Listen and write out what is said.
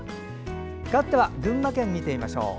かわって群馬県を見てみましょう。